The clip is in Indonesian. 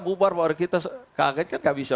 bubar baru kita kaget kan nggak bisa